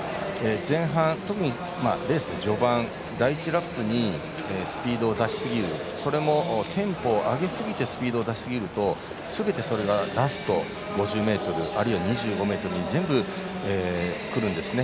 前半、特にレースの序盤第１ラップにスピードを出しすぎるそれもテンポを上げすぎてスピードを出しすぎるとすべてそれがラスト５０ｍあるいは２５ｍに全部くるんですね。